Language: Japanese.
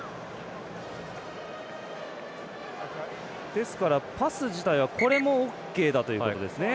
ですから、パス自体もこれもオーケーだということですね。